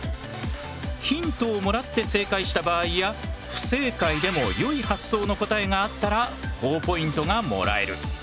ヒントをもらって正解した場合や不正解でも良い発想の答えがあったらほぉポイントがもらえる。